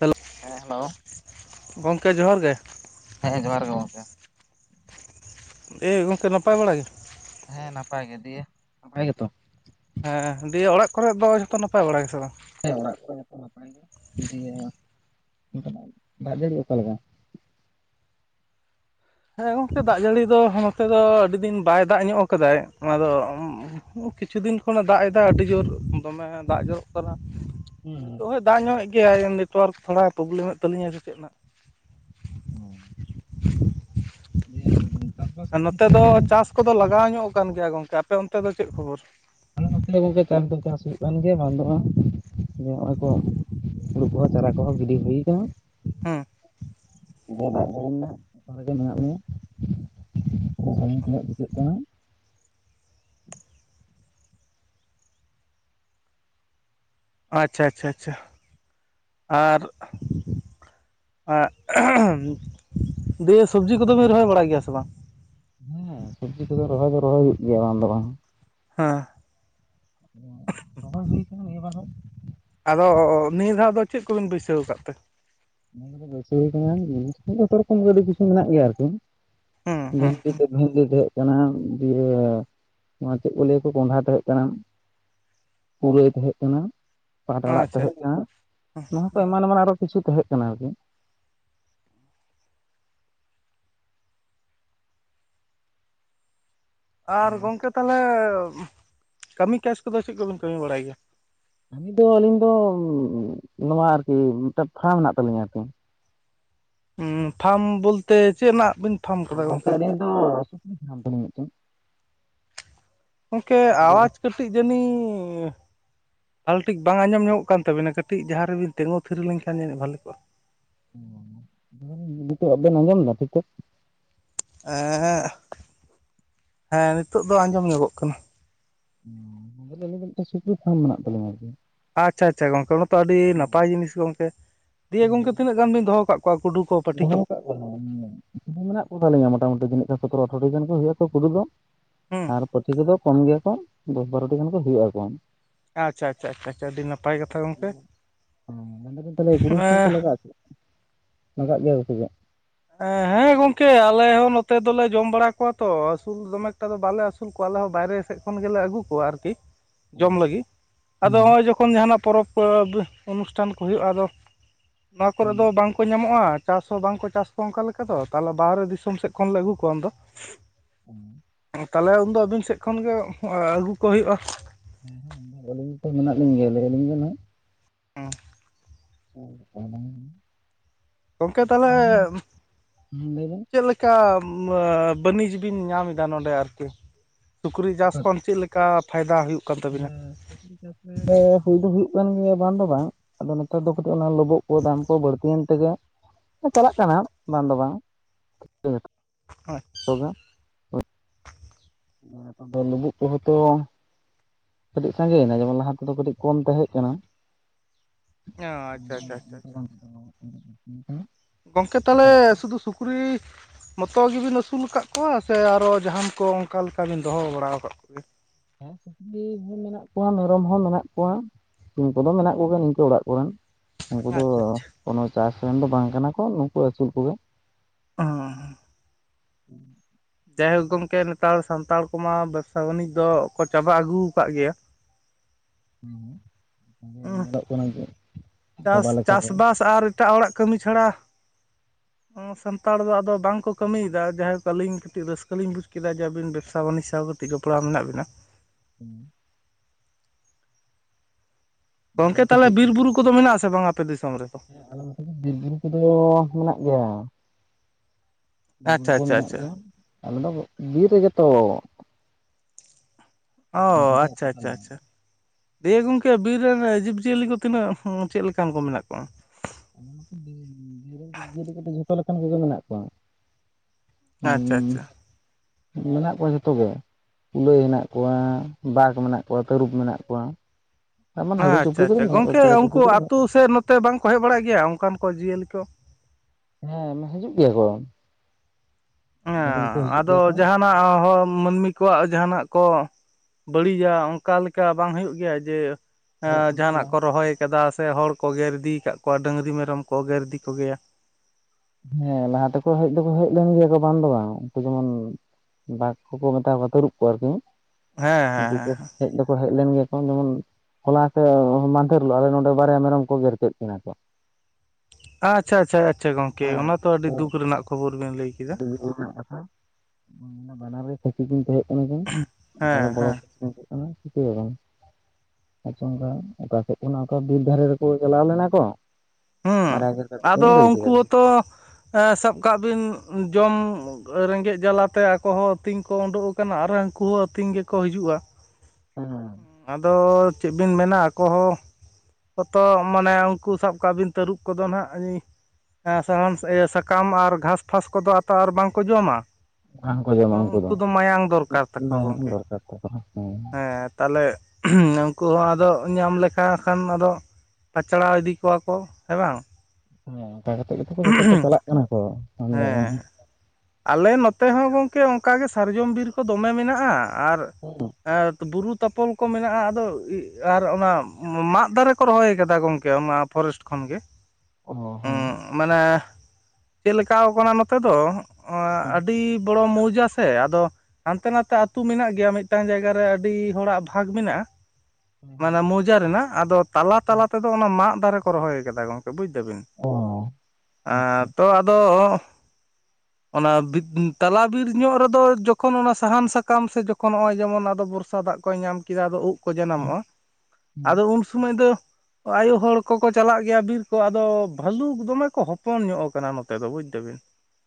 Hello. ᱦᱮᱸ hello. ᱜᱚᱝᱠᱮ ᱡᱚᱦᱟᱨ ᱜᱮ᱾ ᱦᱮᱸ ᱡᱚᱦᱟᱨ ᱜᱮ ᱜᱚᱢᱠᱮ᱾ ᱮᱭ ᱜᱚᱢᱠᱮ ᱱᱟᱯᱟᱭ ᱵᱟᱲᱟ ᱜᱮ? ᱦᱮᱸ ᱱᱟᱯᱟᱭ ᱜᱮ ᱫᱤᱭᱮ ᱱᱟᱯᱟᱭ ᱜᱮᱛᱚ? ᱦᱮᱸ ᱫᱤᱭᱮ ᱚᱲᱟᱜ ᱠᱚᱨᱮ ᱫᱚ ᱡᱷᱚᱛᱚ ᱱᱟᱯᱟᱭ ᱵᱟᱲᱟ ᱜᱮ ᱥᱮ ᱵᱟᱝ? ᱦᱮᱸ ᱚᱲᱟᱜ ᱠᱚᱨᱮ ᱱᱟᱯᱟᱭ ᱜᱮ ᱫᱤᱭᱮ ᱚᱱᱠᱟᱱᱟᱜ ᱫᱟᱜ ᱡᱟᱹᱲᱤ ᱚᱠᱟᱞᱮᱠᱟ? ᱦᱮᱸ ᱜᱚᱝᱠᱮ ᱫᱟᱜ ᱡᱟᱹᱲᱤ ᱫᱚ ᱱᱚᱛᱮ ᱫᱚ ᱟᱹᱰᱤ ᱫᱤᱱ ᱵᱟᱭ ᱫᱟᱜ ᱧᱚᱜ ᱠᱟᱫᱟᱭ ᱚᱱᱟ ᱫᱚ, ᱠᱤᱪᱷᱩ ᱫᱤᱱ ᱠᱷᱚᱱᱮ ᱫᱟᱜ ᱮᱫᱟ ᱟᱹᱰᱤ ᱡᱳᱨ ᱫᱚᱢᱮ ᱫᱟᱜ ᱡᱚᱨᱚᱜ ᱠᱟᱱᱟ, ᱱᱤᱛᱳᱜ ᱦᱚᱸᱭ ᱫᱟᱜ ᱧᱚᱜᱮᱫ ᱜᱮᱭᱟᱭ ᱱᱮᱴᱣᱟᱨᱠ ᱛᱷᱚᱲᱟᱭ ᱯᱨᱚᱵᱮᱞᱮᱢᱮᱫ ᱛᱟᱞᱤᱧᱟ ᱥᱮ ᱪᱮᱫ ᱱᱟᱜ, ᱦᱩᱸ ᱫᱤᱭᱮ ᱪᱟᱥᱵᱟᱥ ᱟᱨ ᱠᱚ ᱛᱤᱱ ᱥᱟᱜᱤᱧ ᱠᱮᱫᱟᱢ, ᱪᱟᱥ ᱱᱚᱛᱮ ᱫᱚ ᱞᱟᱜᱟᱣ ᱧᱚᱜ ᱠᱟᱱ ᱜᱮᱭᱟ ᱜᱚᱝᱠᱮ ᱟᱯᱮ ᱚᱱᱛᱮ ᱫᱚ ᱪᱮᱫ ᱠᱷᱚᱵᱚᱨ, ᱟᱞᱮ ᱱᱚᱛᱮ ᱫᱚ ᱜᱚᱢᱠᱮ ᱪᱟᱥ ᱫᱚ ᱪᱟᱥ ᱦᱩᱭᱩᱜ ᱠᱟᱱ ᱜᱮᱭᱟ ᱵᱟᱝ ᱫᱚ ᱵᱟᱝ ᱟᱫᱚ ᱱᱚᱜ-ᱚᱭ‌ ᱠᱚ᱾ ᱦᱩᱲᱩ ᱠᱚᱦᱚᱸ ᱪᱟᱨᱟ ᱠᱚᱦᱚᱸ ᱜᱤᱰᱤ ᱦᱩᱭ ᱟᱠᱟᱱᱟ, ᱦᱩᱸ [inaudible] ᱨᱮᱜᱮ ᱢᱮᱱᱟᱜ ᱞᱤᱧᱟ [inaudible] ᱟᱪᱪᱷᱟ ᱟᱪᱪᱷᱟ ᱟᱪᱪᱷᱟ ᱟᱨ, ᱦᱮᱸ ᱫᱤᱭᱮ ᱥᱚᱵᱡᱤ ᱠᱚᱫᱚᱵᱤᱱ ᱨᱚᱦᱚᱭ ᱵᱟᱲᱟᱭ ᱜᱮᱭᱟ ᱥᱮ ᱵᱟᱝ, ᱦᱮᱸ ᱥᱚᱵᱽᱡᱤ ᱠᱚᱫᱚ ᱨᱚᱦᱚᱭ ᱫᱚ ᱨᱚᱦᱚᱭ ᱦᱩᱭᱩᱜ ᱜᱮᱭᱟ ᱵᱟᱝ ᱫᱚ ᱵᱟᱝ, ᱦᱮᱸ ᱦᱮᱸ ᱨᱚᱦᱚᱭ ᱦᱩᱭ ᱟᱠᱟᱱᱟ ᱱᱤᱭᱟᱵᱟᱨ ᱦᱚᱸ ᱟᱫᱚ ᱱᱤᱭᱟᱹ ᱫᱷᱟᱣ ᱫᱚ ᱪᱮᱫ ᱠᱚᱵᱤᱱ ᱵᱟᱹᱭᱥᱟᱹᱣ ᱟᱠᱟᱫ ᱛᱮ, ᱵᱟᱹᱭᱠᱟᱹᱣ ᱦᱩᱭ ᱠᱟᱱᱟ ᱡᱚᱛᱚ ᱨᱚᱠᱚᱢ ᱜᱮ ᱟᱹᱰᱤ ᱠᱤᱪᱷᱩ ᱢᱮᱱᱟᱜ ᱜᱮᱭᱟ ᱟᱨᱠᱤ, ᱦᱩᱸ ᱦᱩᱸ ᱵᱷᱮᱲᱰᱤ ᱠᱚ ᱵᱷᱮᱱᱰᱤ ᱠᱚ, ᱠᱟᱱᱟ ᱫᱤᱭᱮ ᱱᱚᱣᱟ ᱪᱮᱫ ᱠᱚ ᱞᱟᱹᱭᱟ ᱠᱚ ᱠᱚᱸᱰᱷᱟ ᱛᱟᱦᱮᱸᱜ ᱠᱟᱱᱟ, ᱯᱩᱨᱟᱹᱭ ᱛᱟᱦᱮᱸᱜ ᱠᱟᱱᱟ, ᱯᱟᱴ ᱟᱲᱟᱜ ᱟᱪᱪᱷᱟ ᱛᱟᱦᱮᱸ ᱠᱟᱱᱟ ᱱᱚᱣᱟ ᱠᱚ ᱮᱢᱟᱱ ᱮᱢᱟᱱ ᱟᱨᱚ ᱠᱤᱪᱷᱩ ᱛᱟᱦᱮᱸ ᱠᱟᱱᱟ ᱟᱨᱠᱤ, ᱟᱨ ᱜᱚᱝᱠᱮ ᱛᱟᱦᱚᱞᱮ ᱠᱟᱹᱢᱤ ᱠᱟᱡᱽ ᱠᱚᱫᱚ ᱪᱮᱫ ᱠᱚᱵᱤᱱ ᱠᱟᱹᱢᱤ ᱵᱟᱲᱟᱭ ᱜᱮᱭᱟ, ᱟᱹᱞᱤ ᱫᱚ ᱟᱹᱞᱤᱧ ᱫᱚ ᱱᱚᱣᱟ ᱟᱨᱠᱤ ᱢᱤᱫᱴᱮᱱ ᱯᱷᱟᱨᱟᱢ ᱢᱮᱱᱟᱜ ᱛᱟᱹᱞᱤᱧᱟ ᱟᱨᱠᱤ, ᱯᱷᱟᱨᱢ ᱵᱚᱞᱛᱮ ᱪᱮᱫ ᱨᱮᱱᱟᱜ ᱵᱤᱱ, ᱯᱷᱟᱨᱢ ᱠᱟᱫᱟ ᱜᱚᱝᱠᱮ? [inaudible] ᱜᱚᱢᱠᱮ ᱟᱣᱟᱡᱽ ᱠᱟᱹᱴᱤᱡ ᱡᱟᱹᱱᱤᱡ, ᱵᱷᱟᱞᱤ ᱴᱷᱤᱠ ᱵᱟᱝ ᱟᱸᱡᱚᱢ ᱧᱚᱜ ᱠᱟᱱ ᱛᱟᱵᱤᱱᱟ ᱠᱟᱹᱴᱤᱡ ᱡᱟᱦᱟᱸ ᱨᱤᱵᱤᱱ ᱛᱤᱜᱩ ᱛᱷᱤᱨ ᱞᱮᱱᱠᱷᱟᱱ ᱡᱟᱹᱱᱤᱡ ᱵᱟᱹᱞᱤ ᱠᱚᱜᱼᱟ, ᱱᱤᱛᱚᱜ ᱵᱮᱱ ᱟᱸᱡᱚᱢ ᱮᱫᱟ ᱱᱤᱛᱚᱜ, ᱮᱸ ᱦᱮᱸ ᱱᱤᱛᱳᱜ ᱫᱚ ᱟᱸᱡᱚᱢ ᱧᱚᱜᱚᱜ ᱠᱟᱱᱟ, ᱞᱟᱹᱭ ᱫᱟᱞᱤᱧ ᱢᱤᱫᱴᱮᱱ ᱥᱩᱠᱨᱤ ᱯᱷᱟᱢ ᱢᱮᱱᱟᱜ ᱛᱟᱞᱤᱧᱟ ᱟᱨᱠᱤ, ᱟᱪᱪᱷᱟ ᱟᱪᱪᱷᱟ ᱜᱚᱝᱠᱮ ᱚᱱᱟ ᱛᱚ ᱟᱹᱰᱤ ᱱᱟᱯᱟᱭ ᱡᱤᱱᱤᱥ ᱜᱚᱝᱠᱮ ᱫᱤᱭᱮ ᱜᱚᱝᱠᱮ ᱛᱤᱱᱟᱹᱜ ᱜᱟᱱ ᱵᱤᱱ ᱫᱚᱦᱚ ᱟᱠᱟᱫ ᱠᱚᱣᱟ ᱠᱩᱰᱩ, ᱫᱚᱦᱚ ᱠᱫ ᱠᱚᱣᱟᱸ ᱞᱤᱧ ᱢᱮᱱᱟᱜ ᱠᱚᱛᱟᱞᱤᱧᱟ ᱢᱚᱴᱟᱢᱩᱴᱤ ᱡᱟᱹᱱᱤᱡ ᱥᱚᱛᱨᱚ ᱟᱴᱷᱮᱨᱚ ᱜᱟᱱ ᱠᱚ ᱦᱩᱭᱩᱜᱼᱟ ᱠᱩᱫᱩ ᱫᱚ, ᱦᱩᱸ ᱟᱨ ᱯᱟᱹᱴᱷᱤ ᱠᱚᱫᱚ ᱠᱚᱢ ᱜᱮᱭᱟ ᱠᱚ ᱫᱚᱥ ᱵᱟᱨᱚᱴᱤ ᱜᱟᱱ ᱠᱚ ᱦᱩᱭᱩᱜᱼᱟᱠᱚ, ᱟᱪᱪᱷᱟ ᱟᱪᱪᱷᱟ ᱟᱪᱪᱷᱟ ᱟᱹᱰᱤ ᱱᱟᱯᱟᱭ ᱠᱟᱛᱷᱟ ᱜᱚᱢᱠᱮ, ᱢᱮᱱ ᱫᱟᱞᱤᱧ ᱛᱟᱦᱞᱮ ᱜᱩᱰᱩ ᱦᱚᱯᱚᱱ ᱠᱚ ᱞᱟᱜᱟᱜ-ᱟ ᱥᱮ? ᱞᱟᱜᱟᱜ ᱜᱮᱭᱟ ᱠᱚ ᱥᱮ ᱪᱮᱫ, ᱮ ᱦᱮᱸ ᱦᱮᱸ ᱜᱚᱢᱠᱮ ᱟᱞᱮ ᱦᱚᱸ ᱱᱚᱛᱮ ᱫᱚᱞᱮ ᱡᱚᱢ ᱵᱟᱲᱟ ᱠᱚᱣᱟ ᱛᱚ ᱟᱹᱥᱩᱞ ᱫᱚᱢᱮ ᱮᱠᱴᱟ ᱫᱚ ᱵᱟᱞᱮ ᱟᱹᱥᱩᱞ ᱠᱚᱣᱟ ᱟᱞᱮ ᱦᱚᱸ ᱵᱟᱭᱨᱮ ᱥᱮᱫ, ᱠᱷᱚᱱ ᱜᱮᱞᱮ ᱟᱹᱜᱩ ᱠᱚᱣᱟ ᱟᱨᱠᱤ ᱡᱚᱢ ᱞᱟᱹᱜᱤᱫ ᱟᱫᱚ ᱱᱚᱜ-ᱚᱭ ᱡᱚᱠᱷᱚᱱ, ᱡᱚᱠᱷᱚᱱ ᱡᱟᱦᱟᱱᱟᱜ ᱯᱚᱨᱚᱵᱽ ᱠᱚ ᱚᱱᱩᱥᱴᱷᱟᱱ ᱠᱚ ᱦᱩᱭᱩᱜᱼᱟ ᱟᱫᱚ ᱱᱚᱣᱟ ᱠᱚᱨᱮ ᱫᱚ ᱵᱟᱝ, ᱠᱚ ᱧᱟᱢᱚᱜᱼᱟ ᱪᱟᱥ ᱦᱚᱸ ᱵᱟᱝᱠᱚ ᱪᱟᱥ ᱠᱚ ᱚᱱᱠᱟ ᱞᱮᱠᱟ ᱫᱚ ᱛᱟᱦᱚᱞᱮ ᱵᱟᱦᱨᱮ ᱫᱤᱥᱚᱢ ᱥᱮᱫ ᱠᱷᱚᱱᱞᱮ ᱟᱹᱜᱩ ᱠᱚᱣᱟ ᱩᱱᱫᱚ, [unintelligible] ᱛᱟᱦᱚᱞᱮ ᱩᱱᱫᱚ ᱟᱹᱵᱤᱱ ᱥᱮᱫ ᱠᱷᱚᱱ ᱜᱮ ᱟᱹᱜᱩ ᱠᱚ ᱦᱩᱭᱩᱜᱼᱟ, ᱦᱮᱸ ᱦᱮᱸ ᱟᱹᱞᱤᱧ ᱛᱚ ᱢᱮᱱᱟᱜ ᱞᱤᱧ ᱜᱮᱭᱟ ᱞᱟᱹᱭᱟᱞᱤᱧ ᱵᱮᱱ ᱦᱟᱸᱜ᱾ ᱦᱮᱸ᱾ [inaudible] ᱜᱚᱝᱠᱮ ᱛᱟᱦᱚᱞᱮ ᱦᱮᱸ ᱞᱟᱹᱭ ᱵᱮᱱ ᱪᱮᱫ ᱞᱮᱠ ᱠᱟ ᱵᱟ-ᱵᱟᱹᱱᱤᱡᱽ ᱵᱤᱱ ᱧᱟᱢ ᱮᱫᱟ ᱱᱚᱰᱮ ᱟᱨᱠᱤ? ᱥᱩᱠᱨᱤ ᱪᱟᱥ ᱠᱷᱚᱱ ᱪᱮᱫ ᱞᱮᱠᱟ ᱯᱷᱟᱭᱫᱟ ᱦᱩᱭᱩᱜ ᱠᱟᱱ ᱛᱟᱵᱤᱱᱟ? ᱦᱩᱭ ᱫᱚ ᱦᱳᱭ ᱠᱟᱱ ᱜᱮᱭᱟ ᱵᱟᱝ ᱫᱚ ᱵᱟᱝ᱾ ᱟᱫᱚ ᱱᱮᱛᱟᱨ ᱫᱚ ᱠᱟᱹᱴᱤᱡ ᱚᱱᱟ ᱞᱳᱵᱜ ᱠᱚ ᱫᱟᱢ ᱠᱚ ᱵᱟᱹᱲᱛᱤᱭᱮᱱ ᱛᱮᱜᱮ ᱪᱟᱞᱟᱜ ᱠᱟᱱᱟᱜ ᱵᱟᱝ ᱫᱚ ᱵᱟᱝ᱾ ᱦᱳᱭ [unintelligible] ᱱᱮᱛᱟᱨ ᱫᱚ ᱞᱩᱵᱩᱜ ᱠᱚᱦᱚᱸ ᱛᱚ ᱠᱟᱹᱴᱤᱡ ᱥᱟᱸᱜᱮᱭᱱᱟ ᱡᱮᱢᱚᱱ ᱞᱟᱦᱟ ᱛᱮᱫᱚ ᱠᱟᱹᱴᱤᱡ ᱠᱚᱢ ᱛᱟᱦᱮᱸᱜ ᱠᱟᱱᱟ᱾ ᱚ ᱟᱪᱪᱷᱟ ᱟᱪᱪᱷᱟ ᱟᱪᱪᱷᱟ ᱟᱪᱪᱷᱟ [inaudible] ᱜᱚᱝᱠᱮ ᱛᱟᱦᱞᱮ ᱪᱟᱞᱟᱜ ᱥᱩᱫᱩ ᱥᱩᱠᱨᱤ ᱢᱚᱛᱚ ᱜᱮᱵᱤᱱ ᱟᱹᱥᱩᱞ ᱟᱠᱟᱫ ᱠᱚᱣᱟ ᱥᱮ ᱟᱨᱚ ᱡᱟᱦᱟᱱ ᱠᱚ ᱚᱱᱠᱟ ᱞᱮᱠᱟᱵᱤᱱ ᱫᱚᱦᱚ ᱵᱟᱲᱟ ᱴ ᱠᱚᱜᱮᱭᱟ? ᱦᱮᱸ ᱥᱩᱠᱨᱤ ᱦᱚᱸ ᱢᱮᱱᱟᱜ ᱠᱚᱣᱟ ᱢᱮᱨᱚᱢ ᱦᱚᱸ ᱢᱮᱱᱟᱜ ᱠᱚᱣᱟ᱾ ᱥᱤᱢ ᱠᱚᱫᱚ ᱢᱮᱱᱟᱜ ᱠᱚᱜᱮᱭᱟ ᱱᱤᱝᱠᱟᱹ ᱚᱲᱟᱜ ᱠᱚᱨᱮᱱ᱾ ᱩᱱᱠᱩ ᱫᱚ ᱟᱪᱪᱷᱟ ᱠᱳᱱᱳ ᱪᱟᱥ ᱨᱮᱱ ᱫᱚ ᱵᱟᱝ ᱠᱟᱱᱟ ᱠᱚ ᱱᱩᱝᱠᱩ ᱟᱹᱥᱩᱞ ᱠᱚᱜᱮ᱾ ᱚᱸ ᱦᱚᱸ᱾ ᱡᱟᱭᱦᱳᱠ ᱜᱚᱢᱠᱮ ᱱᱮᱛᱟᱨ ᱥᱟᱱᱛᱟᱲ ᱠᱚᱢᱟ ᱵᱮᱵᱽᱥᱟ ᱵᱟᱹᱱᱤᱡᱽ ᱫᱚ ᱠᱚ ᱪᱟᱵᱟ ᱟᱹᱜᱩ ᱟᱠᱟᱫ ᱜᱮᱭᱟ᱾ [unintelligible] ᱩᱸᱦ᱾ [unintelligible] ᱪᱟᱥ ᱪᱟᱵᱟ ᱞᱮᱠᱟᱜᱮ ᱪᱟᱥᱼᱵᱟᱥ ᱟᱨ ᱮᱴᱟᱜ ᱦᱚᱲᱟᱜ ᱠᱟᱹᱢᱤ ᱪᱷᱟᱲᱟ [inaudible] ᱥᱟᱱᱛᱟᱲ ᱫᱚ ᱟᱫᱚ ᱵᱟᱝᱠᱚ ᱠᱟᱹᱢᱤᱭᱮᱫᱟ, ᱡᱟᱭᱦᱳᱠ ᱟᱹᱞᱤᱧ ᱠᱟᱹᱴᱤᱡ ᱨᱟᱹᱥᱠᱟᱹ ᱞᱤᱧ ᱵᱩᱡ ᱠᱮᱫᱟ ᱡᱮ ᱟᱹᱵᱤᱱ ᱵᱮᱵᱽᱥᱟ ᱵᱟᱱᱤᱡᱽ ᱥᱟᱶ ᱛᱮ ᱡᱚᱯᱲᱟᱣ ᱢᱮᱱᱟᱜ ᱵᱤᱱᱟ᱾ ᱦᱮᱸ᱾ ᱜᱚᱝᱠᱮ ᱛᱟᱦᱞᱮ ᱵᱤᱨ ᱵᱩᱨᱩ ᱠᱚᱫᱚ ᱢᱮᱱᱟᱜ ᱟᱥᱮ ᱵᱟᱝ ᱟᱯᱮ ᱫᱤᱥᱚᱢ ᱨᱮᱫᱚ? ᱟᱞᱮ ᱱᱚᱛᱮ ᱫᱚ ᱵᱤᱨ ᱵᱩᱨᱩ ᱠᱚᱫᱚ ᱢᱮᱱᱟᱜ ᱜᱮᱭᱟ᱾ ᱵᱤᱨ ᱟᱪᱪᱷᱟ ᱵᱩᱧᱩ ᱠᱚ ᱟᱪᱪᱷᱟ ᱢᱮᱱᱟᱜ ᱟᱪᱪᱷᱟ ᱜᱮᱭᱟ᱾ ᱟᱞᱮ ᱫᱚ ᱵᱤᱨ ᱨᱮᱜᱮ ᱛᱚ᱾ ᱚ ᱟᱪᱪᱷᱟ ᱟᱪᱪᱷᱟ ᱛᱟᱞᱮ ᱟᱪᱪᱷᱟ᱾ ᱫᱤᱭᱮ ᱜᱚᱝᱠᱮ ᱵᱤᱨ ᱨᱮᱱ ᱡᱤᱵᱽ ᱡᱤᱭᱟᱹᱞᱤ ᱠᱚ ᱛᱤᱱᱟᱹᱜ ᱦᱩᱸᱪᱮᱫ ᱞᱮᱠᱟᱱ ᱠᱚ ᱢᱮᱱᱟᱜ ᱠᱚᱣᱟ? ᱵᱤᱨ ᱨᱮᱱ ᱡᱤᱵ ᱡᱤᱭᱟᱹᱞᱤ ᱠᱚᱫᱚ ᱡᱷᱚᱛᱚ ᱞᱮᱠᱟᱱ ᱠᱚᱜᱮ ᱢᱮᱱᱟᱜ ᱠᱚᱣᱟ᱾ ᱟᱪᱪᱷᱟ ᱦᱩᱸ᱾ ᱟᱪᱪᱷᱟ ᱢᱮᱱᱟᱜ ᱠᱚᱣᱟ ᱡᱷᱚᱛᱚ ᱜᱮ᱾ ᱠᱩᱞᱟᱹᱭ ᱦᱮᱱᱟᱜ ᱠᱚᱣᱟ, ᱵᱟᱜ ᱢᱮᱱᱟᱜ ᱠᱚᱣᱟ, ᱛᱟᱹᱨᱩᱵ ᱢᱮᱱᱟᱜ ᱠᱚᱣᱟ᱾ ᱛᱟᱨᱢᱟᱱᱮ ᱦᱟᱹᱲᱩ ᱟᱪᱪᱷᱟ ᱪᱩᱯᱲᱤ ᱠᱚᱫᱚ ᱟᱪᱪᱷᱟ ᱢᱮᱱᱟᱜ ᱠᱚᱣᱟ ᱜᱚᱝᱠᱮ ᱪᱮᱞᱮ ᱪᱩᱯᱲᱤ ᱩᱱᱠᱩ ᱠᱚᱫᱚ ᱢᱮᱱᱟᱜ ᱟᱛᱳ ᱥᱮᱫ ᱱᱚᱛᱮ ᱵᱟᱝᱠᱚ ᱦᱮᱡ ᱵᱟᱲᱟᱜ ᱜᱮᱭᱟ ᱚᱱᱠᱟᱱ ᱠᱚ ᱡᱤᱭᱟᱹᱞᱤ ᱠᱚ? ᱦᱮᱸ ᱢᱮ ᱦᱤᱡᱩᱜ ᱜᱮᱭᱟ ᱠᱚ᱾ ᱰᱮᱞᱤ ᱜᱮᱠᱚ ᱦᱮᱸ ᱦᱤᱡᱩᱜ ᱟᱫᱚ ᱜᱮᱭᱟ ᱠᱚ ᱡᱟᱦᱟᱸᱟᱱᱟᱜ ᱦᱚ ᱢᱟᱹᱱᱢᱤ ᱠᱚᱣᱟᱜ ᱡᱟᱦᱟ ᱱᱟᱜ ᱠᱚ ᱵᱟᱲᱤᱡᱟ ᱚᱱᱠᱟ ᱞᱮᱠᱟ ᱵᱟᱝ ᱦᱩᱭᱩᱜ ᱜᱮᱭᱟ ᱡᱮ ᱡᱟᱦᱟ ᱟᱫᱚ ᱱᱟᱜ ᱠᱚ ᱞᱟᱦᱟ ᱨᱚᱦᱚᱭ ᱠᱟᱫᱟ ᱥᱮ ᱦᱚᱲ ᱠᱚ ᱜᱮᱨ ᱤᱫᱤ ᱠᱚᱣᱟ ᱞ ᱰᱟᱹᱝᱨᱤ ᱢᱮᱨᱚᱢ ᱠᱚ ᱜᱮᱨ ᱤᱫᱤ ᱠᱚᱜᱮᱭᱟ᱾ ᱦᱮᱸ ᱞᱟᱦᱟ ᱛᱮᱠᱚ ᱦᱮᱡ ᱫᱚᱠᱚ ᱦᱮᱡ ᱞᱮᱱ ᱜᱮᱭᱟ ᱠᱚ ᱵᱟᱝ ᱫᱚ ᱵᱟᱝ ᱩᱱᱠᱩ ᱡᱮᱢᱚᱱ ᱵᱟ-ᱜ ᱠᱚ ᱠᱚ ᱢᱮᱛᱟ ᱠᱚᱣᱟ ᱛᱟᱹᱨᱩᱵ ᱠᱚ ᱟᱨᱠᱤ ᱦᱮᱸ ᱦᱮᱸ ᱩᱱᱠᱩ ᱠᱚ ᱦᱮᱸ ᱦᱮᱡ ᱫᱚᱠᱚ ᱦᱮᱡ ᱞᱮᱱ ᱜᱮᱭᱟ ᱠᱚ ᱡᱮᱢᱚᱱ ᱦᱚᱞᱟ ᱥᱮ ᱢᱟᱸᱫᱷᱮᱨ ᱦᱤᱞᱳᱜ ᱟᱞᱮ ᱱᱚᱸᱰᱮ ᱵᱟᱨᱭᱟ ᱢᱮᱨᱚᱢ ᱠᱚ ᱜᱮᱨ ᱠᱮᱫ ᱠᱤᱱᱟ ᱠᱚ᱾ ᱟᱪᱪᱷᱟ ᱟᱪᱪᱷᱟ ᱟᱪᱪᱷᱟ ᱜᱚᱝᱠᱮ ᱦᱮᱸ ᱚᱱᱟ ᱛᱚ ᱟᱹᱰᱤ ᱫᱩᱠᱷ ᱨᱮᱱᱟᱜ ᱠᱷᱚᱵᱚᱨ ᱵᱤᱱ ᱞᱟᱹᱭ ᱠᱮᱫᱟ᱾ ᱟᱹᱰᱤ ᱫᱩᱠᱷ ᱨᱮᱱᱟᱜ ᱠᱟᱛᱷᱟ ᱩᱸᱻ ᱢᱟᱱᱮ ᱵᱟᱱᱟᱨ ᱦᱮᱸ ᱦᱮᱸ ᱜᱮ [unintelligible] ᱟᱪᱚᱝᱠᱟ ᱚᱠᱟ ᱥᱮᱫ ᱠᱷᱚᱱᱟᱜ ᱚᱠᱟ ᱵᱤᱨ ᱫᱷᱟᱨᱮ ᱨᱮᱠᱚ ᱪᱟᱞᱟᱣ ᱞᱮᱱᱟ ᱠᱚ᱾ ᱦᱩᱸ ᱢᱟᱨᱟᱜ ᱜᱮᱨ ᱠᱟᱛᱮ ᱠᱤᱱ ᱟᱫᱚ ᱫᱟᱹᱲ ᱩᱱᱠᱩ ᱠᱮᱫᱟ ᱠᱤᱱ ᱦᱚᱸᱛᱚ ᱮ ᱥᱟᱵ ᱠᱟᱜ ᱵᱤᱱ ᱡᱚᱢ ᱨᱮᱸᱜᱮᱡ ᱡᱟᱞᱟ ᱛᱮ ᱟᱠᱚ ᱦᱚᱸ ᱟᱹᱛᱤᱧ ᱠᱚ ᱩᱸᱰᱩᱠ ᱟᱠᱟᱱᱟ ᱟᱨᱦᱚᱸ ᱦᱟᱸᱝᱠᱩ ᱦᱚ ᱟᱹᱛᱤᱧ ᱜᱮᱠᱚ ᱦᱤᱡᱩᱜ-ᱟ᱾ ᱦᱮᱸ ᱦᱮᱸ᱾ ᱟᱫᱚ ᱪᱮᱫ ᱵᱤᱱ ᱢᱮᱱᱟ ᱟᱠᱚ ᱦᱚᱸ ᱡᱚᱛᱚ ᱢᱟᱱᱮ ᱩᱱᱠᱩ ᱥᱟᱵ ᱠᱟᱜ ᱵᱤᱱ ᱛᱟᱹᱨᱩᱵ ᱠᱚᱫᱚ ᱱᱟᱦᱟᱸᱜ ᱥᱟᱦᱟᱱ ᱤᱭᱟᱹ ᱥᱟᱠᱟᱢ ᱟᱨ ᱜᱷᱟᱸᱥ ᱯᱷᱟᱸᱥ ᱠᱚᱫᱚ ᱟᱛᱟᱨ ᱵᱟᱝᱠᱚ ᱡᱚᱢᱟ᱾ ᱵᱟᱝᱠᱚ ᱡᱚᱢᱟ ᱩᱱᱠᱩ ᱩᱝᱠᱩ ᱫᱚ ᱢᱟᱭᱟᱝ ᱫᱚᱨᱠᱟᱨ ᱛᱟᱠᱚ ᱢᱟᱭᱟᱝ ᱜᱚᱝᱠᱮ, ᱫᱚᱨᱠᱟᱨ ᱛᱟᱠᱚ ᱦᱮᱸ᱾ ᱛᱟᱦᱞᱮ ᱱᱩᱝᱠᱩ ᱦᱚᱸ ᱟᱫᱚ ᱧᱟᱢ ᱞᱮᱠᱟ ᱠᱷᱟᱱ ᱟᱫᱚ ᱠᱟᱪᱲᱟᱣ ᱤᱫᱤ ᱠᱚᱣᱟ ᱠᱚ, ᱦᱮᱸ ᱵᱟᱝ? ᱦᱮᱸ ᱚᱱᱠᱟ ᱠᱟᱛᱮᱜ ᱜᱮᱛᱚ ᱠᱚ ᱡᱷᱚᱛᱚ ᱠᱚ ᱪᱟᱞᱟᱜ ᱠᱟᱱᱟ ᱠᱚ ᱦᱮᱸ [unintelligible] ᱟᱞᱮ ᱱᱚᱛᱮ ᱦᱚᱸ ᱜᱚᱝᱠᱮ ᱚᱝᱠᱟ ᱜᱮ ᱥᱟᱨᱡᱚᱢ ᱵᱤᱨ ᱠᱚ ᱫᱚᱢᱮ ᱢᱮᱱᱟᱜ-ᱟ ᱟᱨ ᱦᱩᱸ᱾ ᱮᱛ ᱵᱩᱨᱩ ᱛᱟᱯᱚᱞ ᱠᱚ ᱢᱮᱱᱟᱜ-ᱟ ᱟᱫᱚ ᱤ ᱟᱨ ᱚᱱᱟ ᱢᱟᱫ ᱫᱟᱨᱮ ᱠᱚ ᱨᱚᱦᱚᱭ ᱠᱟᱫᱟ ᱜᱚᱝᱠᱮ ᱚᱱᱟ ᱯᱷᱚᱨᱮᱥᱴ ᱠᱷᱚᱱ ᱜᱮ᱾ [inaudible] ᱦᱚ ᱦᱩᱸ᱾ ᱩᱸ ᱢᱟᱱᱮ ᱪᱮᱫᱞᱮᱠᱟᱹᱣ ᱠᱟᱱᱟ ᱱᱚᱛᱮ ᱫᱚ ᱮᱸ ᱟᱹᱰᱤ ᱵᱚᱲᱚ ᱢᱳᱣᱡᱟ ᱥᱮ ᱟᱫᱚ ᱦᱟᱱᱛᱮ ᱱᱟᱛᱮ ᱟᱛᱩ ᱢᱮᱱᱟᱜ ᱜᱮᱭᱟ ᱢᱤᱫᱴᱟᱝ ᱡᱟᱭᱜᱟ ᱨᱮ ᱟᱹᱰᱤ ᱦᱚᱲᱟᱜ ᱵᱷᱟᱜᱽ ᱢᱮᱱᱟᱜ-ᱟ, ᱢᱟᱱᱮ ᱢᱳᱣᱡᱟ ᱨᱮᱱᱟᱜ ᱟᱫᱚ ᱛᱟᱞᱟ ᱛᱟᱞᱟ ᱛᱮᱫᱚ ᱚᱱᱟ ᱢᱟᱫ ᱫᱟᱨᱮ ᱠᱚ ᱨᱚᱦᱚᱭ ᱠᱟᱫᱟ ᱜᱚᱝ ᱵᱩᱡ ᱫᱟᱵᱤᱱ ᱚ ᱮᱸ ᱛᱚ ᱟᱫᱚ ᱚᱱᱟ ᱵᱷᱤ ᱛᱟᱞᱟ ᱵᱤᱨ ᱧᱚᱜ ᱨᱮᱫᱚ ᱡᱚᱠᱷᱚᱱ ᱚᱱᱟ ᱥᱟᱦᱟᱱ ᱥᱟᱠᱟᱢ ᱥᱮ ᱡᱚᱠᱷᱚᱱ ᱱᱚᱜ-ᱚᱭ ᱡᱮᱢᱚᱱ ᱟᱫᱚ ᱵᱚᱨᱥᱟ ᱫᱟᱜ ᱠᱚᱭ ᱧᱟᱢ ᱠᱮᱫᱟ ᱟᱫᱚ ᱩᱫᱽ ᱠᱚ ᱡᱟᱱᱟᱢᱚᱜ-ᱟ ᱟᱫᱚ ᱩᱱ ᱥᱩᱢᱚᱭ ᱫᱚ ᱟᱭᱳ ᱦᱚᱲ ᱠᱚᱠᱚ ᱪᱟᱞᱟᱜ ᱜᱮᱭᱟ ᱵᱤᱨ ᱠᱚ ᱟᱫᱚ ᱵᱷᱟᱞᱩᱠ ᱫᱚᱢᱮ ᱠᱚ ᱦᱚᱯᱚᱱ ᱧᱚᱜ ᱟᱠᱟᱱᱟ ᱱᱚᱛᱮ ᱫᱚ ᱵᱩᱡᱽ ᱫᱟᱹ ᱵᱤᱱ,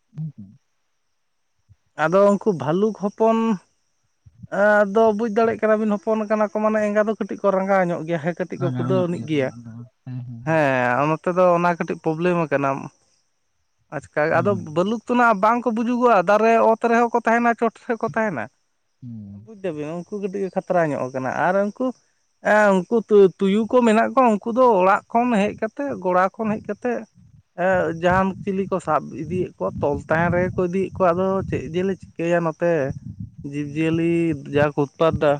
[inaudible] ᱟᱫᱚ ᱩᱝᱠᱩ ᱵᱷᱟᱞᱩᱠ ᱦᱚᱯᱚᱱ ᱮᱸ ᱟᱫᱚ ᱵᱩᱡ ᱫᱟᱲᱮᱜ ᱠᱟᱱᱟ ᱵᱤᱱ ᱦᱚᱯᱚᱱ ᱠᱟᱱᱟ ᱠᱚ ᱢᱟᱱᱮ ᱮᱸᱜᱟ ᱫᱚ ᱠᱟᱹᱴᱤᱡ ᱠᱚ ᱨᱟᱸᱜᱟᱣ ᱧᱚᱜ ᱜᱮᱭᱟ᱾ ᱠᱟᱹᱴᱤᱡ ᱠᱚ ᱟᱪᱪᱷᱟ ᱨᱟᱸᱜᱟᱣ ᱠᱷᱩᱫᱟᱹᱣ ᱧᱚᱜ ᱟᱹᱱᱤᱡ ᱠᱚ ᱜᱮᱭᱟ ᱵᱟᱝ ᱫᱚ ᱵᱟᱝ ᱦᱮᱸ ᱦᱮᱸ [unintelligible] ᱛᱮᱫᱚ ᱚᱱᱟ ᱠᱟᱹᱴᱤᱡ ᱯᱨᱚᱵᱞᱮᱢ ᱟᱠᱟᱱᱟᱢ, ᱟᱪᱠᱟ ᱜᱮ ᱟᱫᱚ ᱵᱟᱹᱞᱩᱠ ᱛᱚ ᱱᱟᱜ ᱵᱟᱝ ᱠᱚ ᱵᱩᱡᱩᱜᱚᱜ-ᱟ ᱫᱟᱨᱮ ᱚᱛ ᱨᱮᱦᱚᱸ ᱠᱚ ᱛᱟᱸᱦᱮᱱᱟ ᱪᱚᱴ ᱥᱮᱫ ᱦᱚᱸᱠᱚ ᱛᱟᱸᱦᱮᱱᱟ᱾ [unintelligible] ᱩᱱᱠᱩ ᱠᱟᱹᱴᱤᱡ ᱠᱚ ᱠᱷᱟᱛᱨᱟ ᱧᱚᱜ ᱟᱠᱟᱱᱟ ᱟᱨ ᱩᱝᱠᱩ ᱮᱸ ᱩᱝᱠᱩ ᱛᱤ ᱛᱩᱭᱩ ᱠᱚ ᱢᱮᱱᱟᱜ ᱠᱚᱣᱟ ᱩᱝᱠᱩ ᱫᱚ ᱚᱲᱟᱜ ᱠᱷᱚᱱ ᱦᱮᱡ ᱠᱟᱛᱮᱜ ᱜᱚᱲᱟ ᱠᱷᱚᱱ ᱦᱮᱡ ᱠᱟᱛᱮᱜ ᱮᱸ ᱡᱟᱸᱦᱟᱱ ᱪᱤᱞᱤ ᱠᱚ ᱥᱟᱵ ᱤᱫᱤᱭᱮᱜ ᱠᱚᱣᱟ᱾ ᱛᱚᱞ ᱛᱟᱸᱦᱮᱱ ᱨᱮᱜᱮ ᱠᱚ ᱤᱫᱤᱜ ᱠᱚᱣᱟ ᱟᱫᱚ ᱪᱮᱫ ᱡᱮᱞᱮ ᱪᱤᱠᱟᱹᱭᱟ ᱱᱚᱛᱮ᱾ ᱡᱤᱵ-ᱡᱤᱭᱟᱹᱞᱤ ᱡᱟ ᱠᱚ ᱩᱛᱯᱟᱛ ᱫᱟ,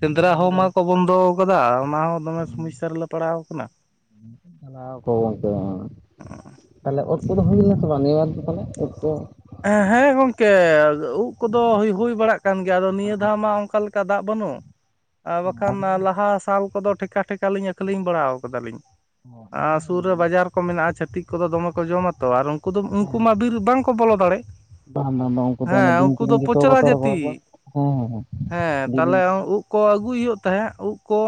ᱥᱮᱸᱫᱽᱨᱟ ᱦᱚᱸ ᱢᱟᱠᱚ ᱵᱚᱱᱫᱚ ᱟᱠᱟᱫᱟ ᱟᱨ ᱚᱱᱟ ᱫᱚᱢᱮ ᱦᱮᱸ ᱥᱚᱢᱚᱥᱥᱟ ᱨᱮᱞᱮ ᱯᱟᱲᱟᱣ ᱠᱟᱱᱟ, [unintelligible] ᱛᱟᱞᱦᱮ ᱩᱫᱽ ᱠᱚᱫᱚ ᱦᱩᱭ ᱞᱮᱱᱟ ᱥᱮ ᱵᱟᱝ ᱱᱤᱭᱟᱹ ᱵᱟᱨ ᱫᱚ ᱛᱟᱞᱦᱮ ᱩᱫᱽ ᱠᱚ? ᱮᱸ ᱦᱮᱸ ᱜᱚᱝᱠᱮ ᱩᱫᱽ ᱠᱚᱫᱚ ᱦᱩᱭ ᱦᱩᱭ ᱵᱟᱲᱟᱜ ᱠᱟᱱ ᱜᱮᱭᱟ ᱟᱫᱚ ᱱᱤᱭᱟᱹ ᱵᱟᱝ ᱫᱷᱟᱣ ᱢᱟ ᱚᱝᱠᱟ ᱞᱮᱠᱟ ᱫᱟᱜ ᱵᱟᱹᱱᱩᱜ᱾ ᱟᱨ ᱵᱟᱠᱷᱟᱱ ᱞᱟᱦᱟ ᱥᱟᱞ ᱠᱚᱫᱚ ᱴᱷᱮᱠᱟ ᱴᱷᱮᱠᱟ ᱞᱤᱧ ᱟᱹᱠᱷᱞᱤᱧ ᱵᱟᱲᱟᱣ ᱠᱟᱫᱟ ᱞᱤᱧ᱾ ᱟᱨ ᱥᱩᱨ ᱨᱮ ᱵᱟᱡᱟᱨ ᱠᱚ ᱢᱮᱱᱟᱜ-ᱟ, ᱪᱷᱟᱹᱛᱤᱠ ᱠᱚᱫᱚ ᱫᱚᱢᱮ ᱠᱚ ᱡᱚᱢᱟ ᱛᱚ ᱟᱨ ᱩᱱ ᱠᱩᱫᱩᱢ ᱩᱱᱠᱩ ᱢᱟ ᱵᱤᱨ ᱵᱟᱝᱠᱚ ᱵᱚᱞᱚ ᱫᱟᱲᱮᱜ᱾ ᱵᱟᱝ ᱵᱟᱝ ᱩᱱᱠᱩ ᱫᱚ ᱚᱱᱮ ᱦᱮᱸ ᱵᱤᱧ ᱩᱝᱠᱩ ᱫᱚ ᱠᱤᱫᱤᱧ ᱜᱮᱠᱚ ᱯᱚᱪᱨᱟ ᱵᱚᱛᱚᱨ ᱠᱚᱣᱟ ᱡᱟᱛᱤ, ᱠᱚ ᱦᱮᱸ ᱦᱮᱸ ᱦᱮᱸ ᱦᱮᱸ ᱵᱤᱧ ᱛᱟᱞᱦᱮ ᱩᱫᱽ ᱠᱚ ᱟᱹᱜᱩᱭ ᱦᱩᱭᱩᱜ ᱛᱟᱦᱮᱸᱜ ᱩᱫᱽ ᱠᱚ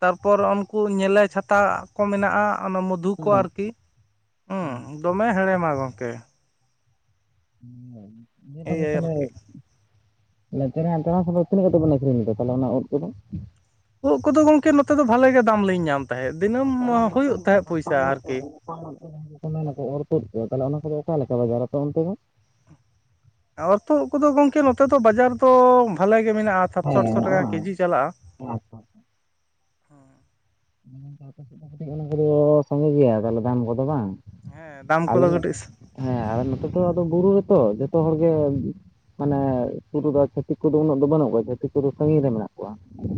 ᱛᱟᱨᱯᱚᱨ ᱚᱱ ᱠᱩ ᱧᱮᱞᱮ ᱪᱷᱟᱛᱟ ᱠᱚ ᱢᱮᱱᱟᱜ-ᱟ ᱚᱱᱟ ᱢᱚᱫᱷᱩ ᱠᱚ ᱟᱨᱠᱤ, ᱚᱸ᱾ ᱫᱚᱢᱮ ᱦᱮᱬᱮᱢᱟ ᱜᱚᱝᱠᱮ᱾ [inaudible] ᱤᱭᱟᱹ ᱛᱟᱞᱦᱮ᱾ ᱟᱨᱠᱤ [inaudible] ᱛᱤᱱᱟᱹᱜ ᱠᱟᱛᱮ ᱵᱮᱱ ᱟᱹᱷᱨᱤᱧ ᱠᱮᱫᱟ ᱛᱟᱦᱚᱞᱮ ᱚᱱᱟ ᱩᱫᱽ ᱠᱚᱫᱚ? ᱩᱫᱽ ᱠᱚᱫᱚ ᱜᱚᱝᱠᱮ ᱱᱚᱛᱮ ᱫᱚ ᱵᱷᱟᱞᱮ ᱜᱮ ᱫᱟᱢ ᱞᱤᱧ ᱧᱟᱢ ᱛᱟᱦᱮᱸᱫ ᱫᱤᱱᱟᱹᱢ ᱦᱩᱭᱩᱜ ᱛᱟᱦᱮᱸᱫ ᱯᱚᱭᱥᱟ ᱟᱨᱠᱤ᱾ ᱚᱱᱟ ᱚᱱᱟ ᱠᱚ ᱚᱨᱛᱚᱛ ᱠᱚ ᱛᱟᱦᱚᱞᱮ ᱚᱱᱟ ᱠᱚᱫᱚ ᱚᱠᱟᱞ ᱞᱮᱠᱟ ᱵᱟᱡᱟᱨ ᱟᱠᱚ ᱚᱱᱛᱮ ᱫᱚᱼᱼᱼ ᱚᱨᱛᱚ ᱠᱚᱫᱚ ᱜᱚᱝᱠᱮ ᱱᱚᱛᱮ ᱫᱚ ᱵᱟᱡᱟᱨ ᱫᱚ ᱵᱷᱟᱞᱮ ᱜᱮ ᱢᱮᱱᱟᱜᱼᱟ ᱥᱟᱛᱥᱚ ᱟᱴᱥᱚ ᱴᱟᱠᱟ ᱠᱮᱡᱤ ᱪᱟᱞᱟᱜᱼᱟ᱾ ᱚ ᱟᱪᱪᱷᱟ ᱟᱪᱪᱷᱟ ᱛᱟᱦᱞᱮ ᱚᱱᱟ ᱠᱚᱫᱚ ᱥᱚᱸᱜᱮ ᱜᱮᱭᱟ ᱛᱟᱦᱚᱞᱮ ᱫᱟᱢ ᱠᱚᱫᱚ ᱵᱟᱝᱼᱼ ᱦᱮᱸ ᱫᱟᱢ ᱠᱚᱫᱚ ᱠᱟᱹᱴᱤᱡ ᱥᱥᱤ ᱦᱮᱸ ᱟᱨ ᱱᱚᱛᱮ ᱫᱚ ᱟᱫᱚ ᱵᱩᱨᱩ ᱨᱮᱛᱚ ᱡᱷᱚᱛᱚ ᱦᱚᱲᱜᱮ ᱟ..... ᱢᱟᱱᱮ ᱥᱩᱨ ᱨᱮᱫᱚ ᱪᱷᱟᱹᱛᱤᱠ ᱠᱚᱫᱚ ᱩᱱᱟᱹᱜ ᱫᱚ ᱵᱟᱹᱱᱩᱜ ᱠᱚᱣᱟ ᱪᱷᱟᱹᱤᱠ ᱠᱚᱫᱚ ᱥᱟᱹᱜᱤᱧ ᱨᱮ ᱢᱮᱱᱟᱜᱼᱼ ᱠᱚᱣᱟ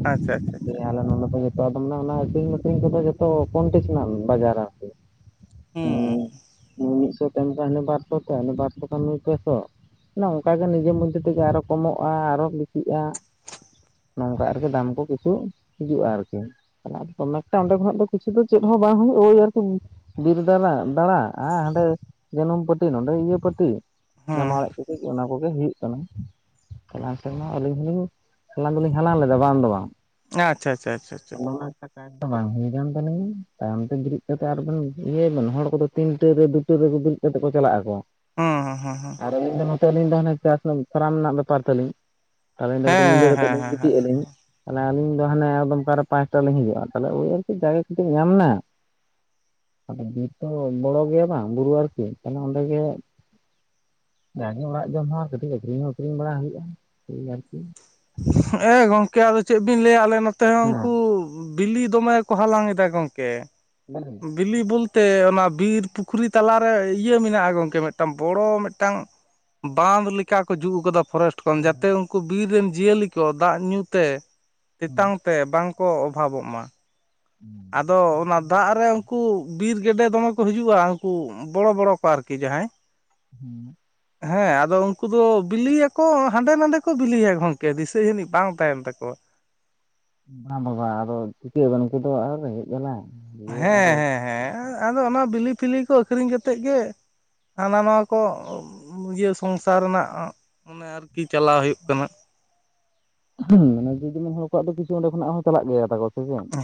ᱟᱪᱪᱷᱟ ᱟᱪᱪᱷᱟ ᱟᱪᱪᱷᱟ ᱟᱞᱮ ᱱᱚᱰᱮ ᱫᱚ ᱡᱷᱚᱛᱚᱣᱟᱜ ᱟᱫᱚ ᱚᱱᱟ ᱚᱱᱟ᱾ ᱟᱠᱨᱤᱧ ᱢᱟᱠᱨᱤᱧ ᱠᱚᱫᱚ ᱡᱷᱚᱛᱚ ᱠᱚᱢᱴᱤᱥᱱᱟᱞ ᱵᱟᱡᱟᱨ ᱟᱨᱠᱤ ᱦᱩᱸ ᱢᱤᱫᱥᱚᱴᱤᱼᱼ ᱛᱮᱢᱯᱟ ᱦᱟᱱᱤ ᱵᱟᱨᱥᱚ ᱛᱮ ᱦᱟᱱᱤ ᱵᱟᱨᱥᱚ ᱠᱷᱟᱱ ᱱᱩᱭ ᱯᱮᱥᱚᱼᱼ ᱚᱱᱮ ᱚᱱᱠᱟᱜᱮ ᱱᱤᱡᱮ ᱢᱚᱫᱽᱫᱷᱮ ᱛᱮᱜᱮ ᱟᱨᱚ ᱠᱚᱢᱚᱜᱼᱟ ᱟᱨᱚ ᱵᱮᱥᱤᱜᱼᱟ᱾ ᱱᱚᱝᱠᱟ ᱟᱨᱠᱤ ᱫᱟᱢ ᱠᱚ ᱠᱤᱪᱷᱩ ᱦᱤᱡᱩᱜᱼᱟ ᱟᱨᱠᱤ ᱪᱟᱞᱟᱜᱼᱟ᱾ ᱛᱚ ᱢᱮᱠᱴᱟ ᱚᱸᱰᱮ ᱠᱷᱚᱱᱟᱜ ᱫᱚ ᱠᱤᱪᱷᱩ ᱫᱚ ᱪᱮᱫ ᱦᱚᱸ ᱵᱟᱝ ᱦᱩᱭᱩᱜᱼᱟ ᱳᱭ ᱟᱨᱠᱤ ᱵᱤᱨ ᱫᱟᱬᱟ ᱫᱟᱲᱟ ᱟᱦᱟᱸᱰᱮᱼᱼ ᱡᱟᱹᱱᱩᱢ ᱯᱟᱹᱴᱤ ᱱᱚᱰᱮ ᱤᱭᱟᱹ ᱯᱟᱴᱤ ᱡᱟᱢᱟ ᱦᱩᱸ ᱚᱬᱮᱡ ᱠᱚᱜᱮ ᱱᱟ ᱠᱚᱜᱮ ᱦᱩᱭᱩᱜ ᱠᱟᱱᱟ᱾ ᱪᱟᱞᱟᱝ ᱥᱮᱨᱢᱟ ᱟᱹᱞᱤᱧ ᱦᱚᱸᱞᱤᱧ ᱦᱟᱞᱟᱝ ᱫᱚᱞᱤᱧ ᱦᱟᱞᱟᱝ ᱞᱮᱫᱟ ᱵᱟᱝ ᱫᱚ ᱵᱟᱝᱼᱼ ᱟᱪᱪᱷᱟ ᱟᱪᱷᱟᱪᱷᱟ ᱪᱷᱟᱪᱷᱟ ᱚᱱᱟ ᱠᱟᱛᱷᱟ ᱫᱚ ᱵᱟᱝ ᱦᱩᱭ ᱠᱟᱱ ᱛᱚᱞᱤ ᱱᱟ ᱛᱟᱭᱚᱢᱛᱮ ᱵᱮᱨᱮᱫ ᱠᱟᱛᱮᱫ ᱟᱨᱦᱚᱸᱵᱮᱱ ᱤᱭᱟᱹᱭ ᱵᱮᱱ ᱦᱚᱲ ᱠᱚᱫᱚ ᱛᱤᱱᱴᱟᱹᱨ ᱨᱮ ᱫᱩᱴᱟᱹᱨ ᱨᱮ ᱵᱮᱨᱮᱫ ᱠᱟᱛᱮᱫ ᱠᱚ ᱪᱟᱞᱟᱜ ᱟᱠᱚᱼᱼ ᱦᱩᱸ ᱦᱩᱸ ᱦᱩᱸ ᱦᱩᱸ ᱟᱨ ᱟᱹᱞᱤᱧ ᱫᱚ ᱱᱚᱛᱮ ᱟᱹᱞᱤᱧ ᱫᱚ ᱦᱟᱱᱮ ᱪᱟᱥ ᱠᱟᱢᱤ ᱯᱷᱟᱨᱟᱢ ᱨᱮᱱᱟᱜ ᱵᱮᱯᱟᱨ ᱛᱟᱹᱞᱤᱧ ᱛᱟᱦᱚ ᱟᱞᱤᱧ ᱫᱚ ᱠᱟᱹᱴᱤᱡ ᱧᱤᱫᱟᱹ ᱦᱮᱸ ᱠᱟᱛᱮ ᱦᱮᱸ ᱞᱤᱧ ᱦᱮᱸ ᱜᱤᱛᱤᱡ ᱦᱮᱸ ᱟᱹᱞᱤᱧ ᱦᱟᱱᱮ ᱟᱹᱞᱤᱧ ᱫᱚ ᱦᱟᱱᱮ ᱮᱠᱫᱚᱢ ᱚᱠᱟᱨᱮ ᱯᱟᱸᱪᱴᱟ ᱨᱮ ᱞᱤᱧ ᱦᱤᱡᱩᱜᱼᱟ᱾ ᱟᱫᱚ ᱳᱫ ᱦᱚᱸ ᱠᱟᱴᱤᱡ ᱡᱟᱜᱜᱟ ᱠᱟᱹᱴᱤᱡ ᱧᱟᱢ ᱮᱱᱟ᱾ ᱟᱫᱚ ᱵᱤᱨᱛᱚ ᱵᱚᱲᱚ ᱜᱮᱭᱟ ᱵᱟᱝ ᱵᱩᱨᱩ ᱟᱨᱠᱤ ᱛᱟᱦᱚᱞᱮ ᱚᱸᱰᱮ ᱜᱮ ᱡᱟᱜᱮ ᱚᱲᱟᱜ ᱡᱚᱢ ᱦᱚᱸ ᱟᱨ ᱠᱟᱹᱴᱤᱡ ᱟᱹᱠᱷᱨᱤᱧ ᱦᱚᱸ ᱟᱹᱷᱨᱤᱧ ᱵᱟᱲᱟ ᱦᱩᱭᱩᱜᱼᱟ ᱟᱨᱠᱤ ᱮᱮᱸ ᱜᱚᱝᱠᱮ ᱟᱫᱚ ᱪᱮᱫ ᱵᱤᱱ ᱞᱟᱹᱭᱟ ᱟᱞᱮ ᱱᱚᱛᱮ ᱦᱚᱸ ᱦᱮᱸ ᱩᱱᱠᱩᱻ ᱵᱤᱞᱤ ᱫᱚᱢᱮ ᱠᱚ ᱦᱟᱞᱟᱝ ᱮᱫᱟ ᱜᱚᱢᱠᱮ [unintelligible] ᱵᱤᱞᱤ ᱵᱚᱞᱛᱮ ᱚᱱᱟ ᱵᱤᱨ ᱯᱩᱠᱷᱨᱤ ᱛᱟᱞᱟᱨᱮ ᱤᱭᱟᱹ ᱢᱮᱱᱟᱜᱼᱟ ᱜᱚᱝᱠᱮ ᱢᱤᱫᱴᱟᱝ ᱵᱚᱲᱚ ᱢᱤᱫᱴᱟᱝ ᱵᱟᱸᱫ ᱞᱮᱠᱟ ᱠᱚ ᱡᱩᱛ ᱟᱠᱟᱫᱟ ᱯᱷᱚᱨᱮᱥᱴ ᱡᱟᱛᱮ ᱩᱱᱠᱩ ᱵᱤᱨ ᱨᱮᱱ ᱡᱤᱭᱟᱹᱞᱤ ᱠᱚ ᱫᱟᱜ ᱧᱩᱸ ᱛᱮ ᱛᱮᱛᱟᱝ ᱛᱮ ᱵᱟᱝᱠᱚ ᱚᱵᱷᱟᱵᱚᱜ ᱢᱟ᱾ [inaudible] ᱟᱫᱚ ᱚᱱᱟ ᱫᱟᱜ ᱨᱮ ᱩᱱᱠᱩ ᱵᱤᱨ ᱜᱮᱰᱮ ᱫᱚᱢᱮ ᱠᱚ ᱦᱤᱡᱩᱜᱼᱟ ᱩᱱᱠᱩᱼᱼ ᱵᱚᱲᱚ ᱵᱚᱲᱚ ᱠᱚ ᱟᱨᱠᱤ ᱡᱟᱦᱟᱸᱭ [inaudible] ᱦᱮᱸ ᱟᱫᱚ ᱩᱱᱠᱩ ᱫᱚ ᱵᱤᱞᱤᱭᱟᱠᱚ ᱦᱟᱸᱰᱮ ᱱᱟᱰᱮ ᱠᱚ ᱵᱤᱞᱤᱭᱟ ᱜᱚᱝᱠᱮ ᱫᱤᱥᱟᱹ ᱡᱟᱹᱱᱤᱡ ᱵᱟᱝ ᱛᱟᱦᱮᱱ ᱛᱟᱠᱚᱣᱟ᱾ ᱚᱱᱟ ᱫᱚ ᱵᱟᱝ ᱟᱫᱚ ᱪᱷᱤᱠᱟᱹᱭ ᱩᱱᱠᱩ ᱫᱚ ᱟᱨ ᱨᱮᱜᱮᱸᱡ ᱡᱟᱞᱟ ᱟᱨ ᱦᱮᱸ ᱦᱮᱸ ᱦᱮᱸ ᱦᱮᱸ ᱟᱫᱚ ᱚᱱᱟ ᱵᱤᱞᱤᱯᱷᱤᱞᱤ ᱠᱚ ᱟᱹᱷᱨᱤᱧ ᱠᱟᱛᱮᱫ ᱜᱮᱼᱼ ᱦᱟᱱᱟ ᱱᱚᱣᱟ ᱠᱚ ᱤᱭᱟᱹ ᱥᱚᱝᱥᱟᱨ ᱨᱮᱱᱟᱜ ᱚᱱᱮ ᱟᱨᱠᱤ ᱪᱟᱞᱟᱣ ᱦᱩᱭᱩᱜ ᱠᱟᱱᱟ᱾ ᱦᱩᱸ ᱚᱱᱟᱡᱩᱫᱤ ᱦᱚᱲ ᱠᱚᱣᱟᱜ ᱫᱚ ᱠᱤᱪᱷᱩ ᱚᱸᱰᱮ ᱠᱷᱚᱱᱟᱜ ᱦᱚᱸ ᱪᱟᱞᱟᱜ ᱜᱮᱭᱟ ᱛᱟᱠᱚᱼᱼ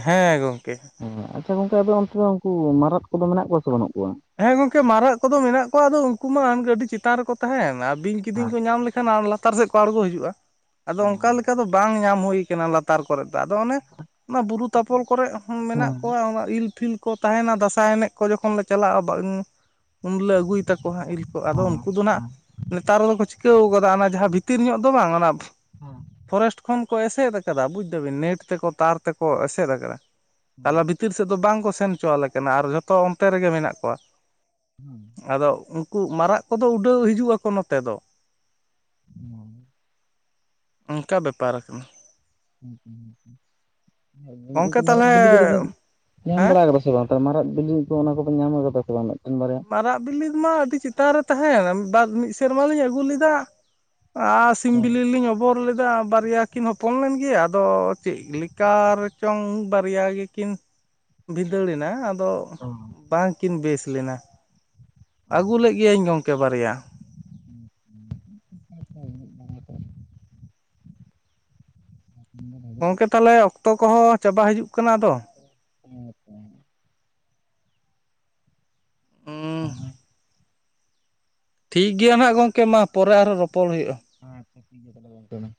ᱦᱮᱸ ᱜᱚᱝᱠᱮ ᱚ ᱟᱪᱪᱷᱟ ᱜᱚᱝᱠᱮ ᱟᱫᱚ ᱚᱱᱛᱮ ᱫᱚ ᱩᱱᱠᱩ ᱢᱟᱨᱟᱫ ᱠᱚᱫᱚ ᱢᱮᱱᱟᱜ ᱠᱚᱣᱟ ᱥᱮ ᱵᱟᱹᱱᱩᱜ ᱠᱚᱣᱟ᱾ ᱦᱮᱸ ᱜᱚᱢᱠᱮ ᱢᱟᱨᱟᱜ ᱠᱚᱫᱚ ᱢᱮᱱᱟᱜ ᱠᱚᱣᱟ ᱟᱫᱚ ᱩᱱᱠᱩ ᱢᱟ ᱟᱹᱰᱤ ᱪᱮᱛᱟᱱ ᱨᱮᱠᱚ ᱛᱟᱦᱮᱱᱼᱼ ᱵᱤᱧ ᱠᱤᱫᱤᱧ ᱠᱚ ᱧᱟᱢ ᱞᱮᱠᱷᱟᱱ ᱞᱟᱛᱟᱨ ᱥᱮᱫ ᱠᱚ ᱟᱬᱜᱚ ᱦᱤᱡᱩᱜᱼᱟ ᱟᱫᱚ ᱚᱱᱠᱟ ᱞᱮᱠᱟ ᱫᱚ ᱵᱟᱝ ᱧᱟᱢ ᱦᱩᱭ ᱠᱟᱱᱟ ᱞᱟ᱾ ᱛᱟᱨ ᱠᱚᱨᱮ ᱫᱚ ᱟᱫᱚ ᱚᱱᱮ ᱚᱱᱟ ᱵᱩᱨᱩ ᱛᱷᱟᱯᱚᱞ ᱠᱚᱨᱮ ᱦᱚᱸ ᱢᱮᱱᱟᱜ ᱠᱚᱣᱟ ᱚᱱᱟ ᱤᱞᱯᱷᱤᱞᱼᱼ ᱠᱚ ᱛᱟᱦᱮᱱᱟ ᱫᱟᱸᱥᱟᱭ ᱮᱱᱮᱡ ᱠᱚ ᱡᱚᱠᱷᱚᱱ ᱞᱮ ᱪᱟᱞᱟᱜᱼᱟ ᱵᱟᱝ, ᱩᱱᱞᱮ ᱟᱹᱜᱩᱭ ᱛᱟᱠᱚ ᱠᱚ ᱤᱞ ᱠᱚ ᱟᱫᱚ ᱩᱱᱠᱩ ᱫᱚ ᱱᱟᱦᱟᱜ ᱱᱮᱛᱟᱨ ᱫᱚᱠᱚ ᱪᱤᱠᱟᱹᱣ ᱠᱟᱫᱟ, ᱚᱱᱟ ᱡᱟᱦᱟᱸ ᱵᱷᱤᱛᱤᱨ ᱧᱚᱸᱜ ᱫᱚ ᱵᱟᱝ ᱚᱱᱟ ᱚ᱾ ᱯᱷᱚᱨᱮᱥᱴ ᱠᱷᱚᱱ ᱠᱚ ᱮᱥᱮᱫ ᱟᱠᱟᱫᱟ, ᱵᱩᱡ ᱫᱟᱵᱤᱱ ᱱᱮᱴ ᱛᱮᱠᱚ ᱛᱟᱨ ᱛᱮᱠᱚ ᱮᱥᱮᱫ ᱟᱠᱟᱫᱟ᱾ ᱛᱟᱞᱟ ᱵᱷᱤᱛ ᱵᱷᱤᱛᱤᱨ ᱥᱮᱫ ᱫᱚ ᱵᱟᱝᱠᱚ ᱥᱮᱱ ᱦᱚᱪᱚᱣᱟᱞᱮ ᱠᱟᱱᱟ, ᱟᱨ ᱡᱷᱚᱛᱚ ᱚᱱᱛᱮ ᱨᱮᱜᱮ ᱢᱮᱱᱟᱜ ᱠᱚᱣᱟ᱾ ᱦᱩᱸ᱾ ᱟᱫᱚ, ᱩᱱᱠᱩ ᱢᱟᱨᱟᱜ ᱠᱚᱫᱚ ᱩᱰᱟᱹᱣ ᱦᱤᱡᱩᱜ ᱟᱠᱚ ᱱᱚᱛᱮ ᱫᱚ᱾ ᱦᱩᱸ᱾ ᱚᱱᱠᱟ ᱵᱮᱯᱟᱨ ᱟᱠᱟᱱᱟ᱾ [inaudible] ᱜᱚᱝᱠᱮ ᱩᱱᱠᱩ ᱢᱟᱨᱟᱱᱜ ᱛᱟᱦᱚᱞᱮ ᱵᱤᱞᱤ ᱠᱚᱫᱚ ᱵᱤᱱ ᱧᱟᱢ ᱦᱮᱸ ᱵᱟᱲᱟ ᱠᱟᱫᱟ ᱥᱮ ᱵᱟᱝ? ᱛᱚ ᱢᱟᱨᱟᱜ ᱵᱤᱞᱤ ᱠᱚ, ᱚᱱᱟ ᱠᱚᱫᱚ ᱧᱟᱢ ᱟᱠᱟᱫᱟ ᱥᱮ ᱵᱟᱝ ᱢᱤᱫᱴᱮᱱ ᱵᱟᱨᱭᱟ? ᱢᱟᱨᱟᱜ ᱵᱤᱞᱤ ᱢᱟ ᱟᱹᱰᱤ ᱪᱮᱛᱟᱱ ᱨᱮ ᱛᱟᱦᱮᱱ, ᱵᱟᱨ ᱢᱤᱫ ᱥᱮᱨᱢᱟᱞᱤᱧ ᱟᱹᱜᱩ ᱞᱮᱫᱟ᱾ᱟᱨ ᱥᱤᱢ ᱦᱳᱭ ᱵᱤᱞᱤ ᱞᱤᱧ ᱚᱵᱚᱨ ᱞᱮᱫᱟ᱾ ᱵᱟᱨᱭᱟ ᱠᱤᱱ ᱦᱚᱯᱚᱱ ᱞᱮᱱ ᱜᱮᱭᱟ᱾ ᱟᱫᱚ ᱪᱮᱫ ᱞᱮᱠᱟ ᱨᱮᱪᱚᱝ ᱵᱟᱨᱭᱟ ᱜᱮᱠᱤᱱ ᱵᱷᱤᱫᱟᱹᱲᱮᱱᱟ ᱟᱫᱚ ᱚ ᱚ ᱵᱟᱝᱠᱤᱱ ᱵᱮᱥ ᱞᱮᱱᱟ᱾ ᱟᱹᱜᱩ ᱞᱮᱫ ᱜᱮᱭᱟᱹᱧ ᱜᱚᱝᱠᱮ᱾ ᱠᱮ ᱵᱟᱨᱭᱟ᱾ [inaudible] ᱜᱚᱢᱠᱮ, ᱛᱟᱦᱚᱞᱮ ᱚᱠᱛᱚ ᱠᱚᱦᱚᱸ ᱪᱟᱵᱟ ᱦᱤᱡᱩᱜ ᱠᱟᱱᱟ ᱟᱫᱚ᱾ ᱦᱮ [inaudible] ᱦᱩᱸ ᱛᱟᱦᱚᱞᱮ ᱴᱷᱤᱠ ᱜᱮᱭᱟ ᱱᱟᱦᱟᱜ ᱜᱚᱢᱠᱮ ᱢᱟ, ᱯᱚᱨᱮ ᱟᱨᱦᱚᱸ ᱨᱚᱯᱚᱲ ᱦᱩᱭᱩᱜᱼᱟ᱾ ᱟᱪᱪᱷᱟ ᱴᱷᱤᱠ ᱜᱮᱭᱟ ᱛᱟᱦᱚᱞᱮ ᱜᱚᱝᱠᱮ ᱢᱟ᱾